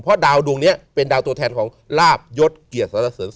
เพราะดาวดวงนี้เป็นดาวตัวแทนของลาบยศเกียรติสรรเสริง